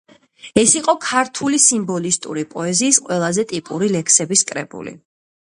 ეს იყო ქართული სიმბოლისტური პოეზიის ყველაზე ტიპური ლექსების კრებული.